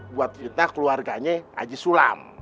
buat kita keluarganya haji sulam